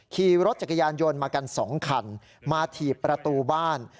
ขี่รถจักรยานยนต์มากัน๒คันมาถีบประตูบ้าน